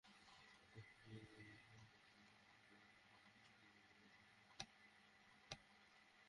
আরেকটা ভালো প্রশ্ন করলে, এডি।